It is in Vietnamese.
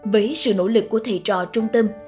với sự nỗ lực của thầy trò trung tâm